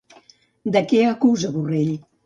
De què acusa Borrell?